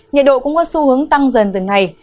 nhiệt độ cũng có xu hướng tăng dần từng ngày